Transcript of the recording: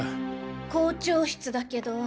校長室だけど。